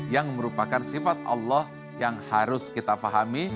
yang merupakan sifat allah yang harus kita pahami